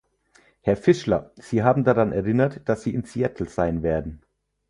Herr Fischler, Sie haben daran erinnert, dass sie in Seattle sein werden.